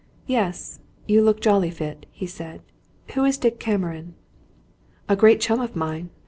"Yes, you look jolly fit," he said. "Who is Dick Cameron?" "A great chum of mine.